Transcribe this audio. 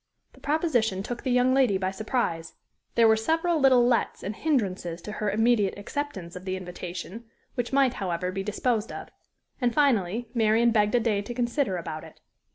The proposition took the young lady by surprise; there were several little lets and hindrances to her immediate acceptance of the invitation, which might, however, be disposed of; and finally, Marian begged a day to consider about it.